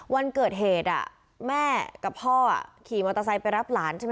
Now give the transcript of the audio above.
วันเกิดเหตุแม่กับพ่อขี่มอเตอร์ไซค์ไปรับหลานใช่ไหม